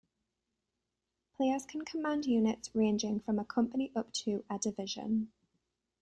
Players can command units ranging from a company up to a division.